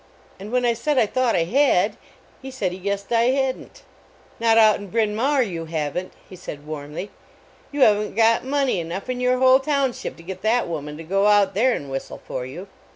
And when I said I thought I had, he said he guessed I hadn t. "Not out in Bryn Mawr you haven t," he said warmly; "you haven t got money enough in your whole township to get that woman to go out there and whistle for you."